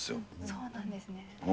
そうなんですね。